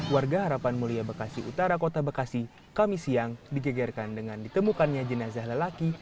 warga harapan mulia bekasi utara kota bekasi kami siang digegerkan dengan ditemukannya jenazah lelaki